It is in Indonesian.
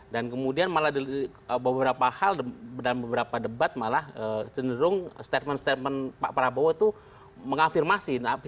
dan kemudian malah beberapa hal dalam beberapa debat malah cenderung statement statement pak prabowo itu mengafirmasi